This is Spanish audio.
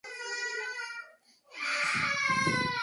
Era medianoche y con luna llena cuando pusieron en marcha el plan.